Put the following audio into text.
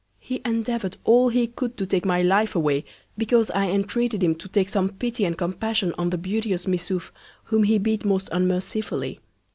He endeavour'd all he could to take my Life away, because I entreated him to take some Pity and Compassion on the beauteous Missouf, whom he beat most unmercifully.